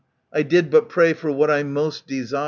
I did but pray for what I most desire.